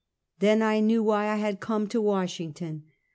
Then I knew why I had come to Washington.